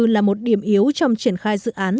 là một điểm yếu trong triển khai dự án